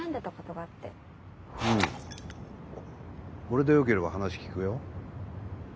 俺でよければ話聞くよ。